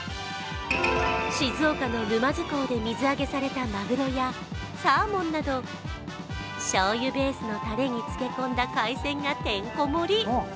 静岡の沼津港で水揚げたされたまぐろやサーモンなどしょうゆベースのたれにつけ込んだ海鮮がてんこ盛り。